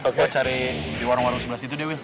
kita cari di warung warung sebelah situ deh wil